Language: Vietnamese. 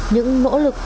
những nỗ lực